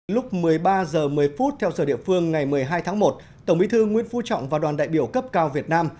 lúc một mươi ba h một mươi theo giờ địa phương ngày một mươi hai tháng một tổng bí thư nguyễn phú trọng và đoàn đại biểu cấp cao việt nam